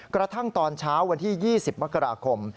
กระทั่งตอนเช้าวันที่๒๐มกราคม